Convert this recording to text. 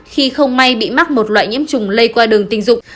khi không may bị mắc một loại nhiễm trùng lây qua đường tình dục